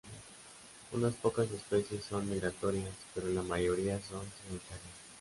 Unas pocas especies son migratorias, pero la mayoría son sedentarias.